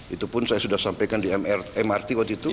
itu pun saya sudah sampaikan di mrt